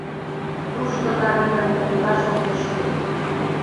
— Тушто каминым олташ огеш кӱл.